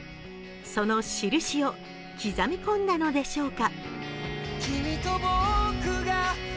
その「しるし」を刻み込んだのでしょうか。